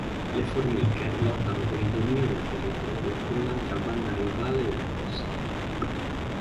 Le Formiche lottano per il dominio del territorio con un'altra banda rivale del posto.